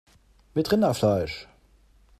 Mit Rinderfleisch!